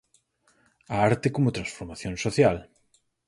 A arte como transformación social.